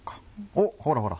おっほらほら